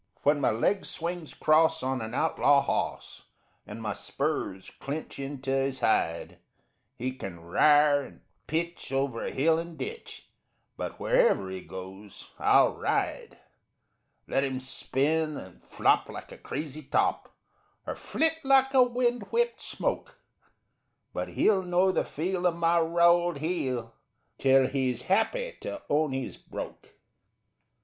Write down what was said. _ When my leg swings 'cross on an outlaw hawse And my spurs clinch into his hide, He kin r'ar and pitch over hill and ditch, But wherever he goes I'll ride. Let 'im spin and flop like a crazy top Or flit like a wind whipped smoke, But he'll know the feel of my rowelled heel Till he's happy to own he's broke.